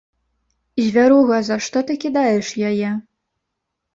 Звяруга, за што ты кідаеш яе?